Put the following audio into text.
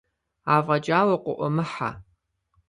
Афӏэкӏа укъыӏумыхьэ.